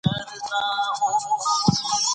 د اسد اته ويشتمه يوه تاريخي ورځ ده.